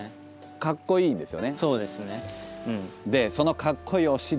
かっこいいんですよ！